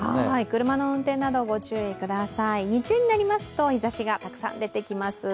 車の運転などご注意ください、日中になりますと日ざしで暑さ出てきます。